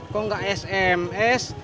kok gak sms